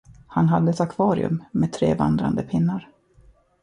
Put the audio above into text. Han hade ett akvarium med tre vandrande pinnar.